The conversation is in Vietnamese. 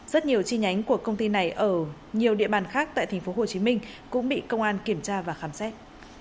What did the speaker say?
rất nhiều chi nhánh của công ty này ở nhiều địa bàn khác tại thành phố hồ chí minh cũng bị công an kiểm tra và khám xét